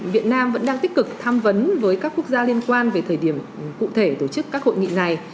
việt nam vẫn đang tích cực tham vấn với các quốc gia liên quan về thời điểm cụ thể tổ chức các hội nghị này